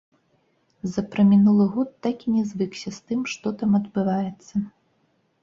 За прамінулы год так і не звыкся з тым, што там адбываецца.